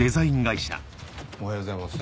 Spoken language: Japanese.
おはようございます。